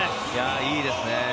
いいですね。